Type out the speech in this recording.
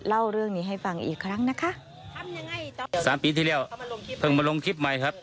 เล่าเรื่องนี้ให้ฟังอีกครั้งนะคะทำยังไงต่อสามปีที่แล้วเพิ่งมาลงคลิปใหม่ครับ